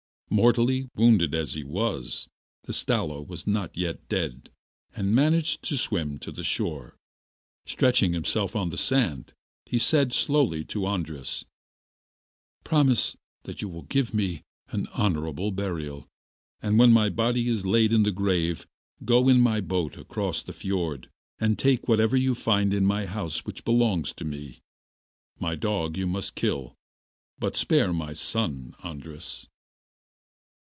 Mortally wounded as he was, the Stalo was not yet dead, and managed to swim to the shore. Stretching himself on the sand, he said slowly to Andras: 'Promise that you will give me an honourable burial, and when my body is laid in the grave go in my boat across the fiord, and take whatever you find in my house which belongs to me. My dog you must kill, but spare my son, Andras.